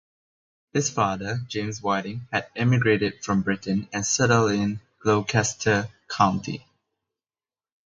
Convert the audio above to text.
His father James Whiting had emigrated from Britain and settled in Gloucester County.